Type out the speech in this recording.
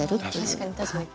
確かに確かに。